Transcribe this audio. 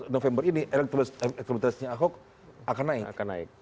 november ini elektabilitasnya ahok akan naik